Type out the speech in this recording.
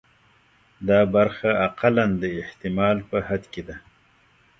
دا برخه اقلاً د احتمال په حد کې ده.